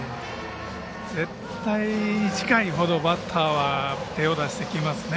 絶対バッターは手を出してきますね。